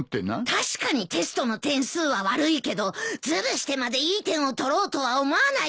確かにテストの点数は悪いけどずるしてまでいい点を取ろうとは思わないよ。